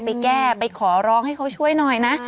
ไปแก้ไปขอร้องให้เขาช่วยหน่อยนะ